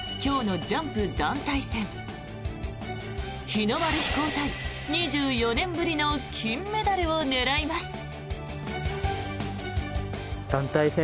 日の丸飛行隊、２４年ぶりの金メダルを狙います。